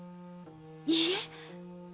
いいえ！